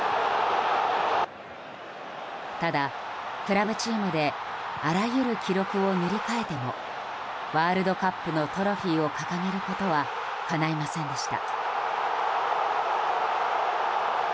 ただ、クラブチームであらゆる記録を塗り替えてもワールドカップのトロフィーを掲げることはかないませんでした。